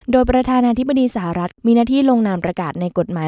โดยประธานาธิบดีสหรัฐมีหน้าที่ลงนามประกาศในกฎหมาย